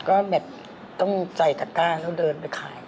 ก็แบบต้องใส่ตะก้าแล้วเดินไปขาย